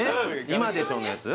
今でしょのやつ？